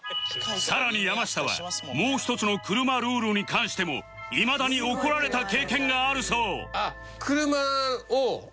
さらに山下はもう一つの車ルールに関しても今田に怒られた経験があるそう